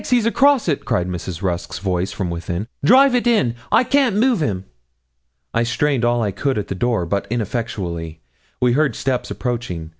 he's across it,' cried Mrs. Rusk's voice from within; 'drive it in. I can't move him.' I strained all I could at the door, but ineffectually. We heard steps approaching.